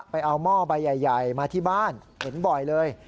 ไปเอาหม้อใบใหญ่มาที่บ้านเห็นบ่อยเลย